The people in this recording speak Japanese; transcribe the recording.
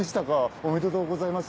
おめでとうございます！